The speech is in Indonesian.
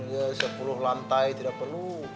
ya sepuluh lantai tidak perlu